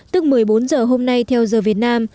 tức một mươi bốn giờ hôm nay theo giờ việt nam